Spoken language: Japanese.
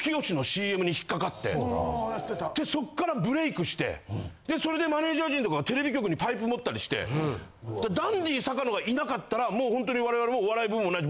・ああやってた・そっからブレイクしてそれでマネージャー陣とかがテレビ局にパイプ持ったりしてダンディ坂野がいなかったらもうホントに我々もお笑い部門もない。